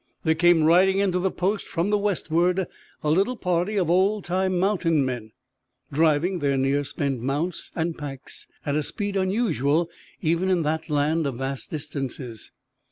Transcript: There came riding into the post from the westward a little party of old time mountain men, driving their near spent mounts and packs at a speed unusual even in that land of vast distances.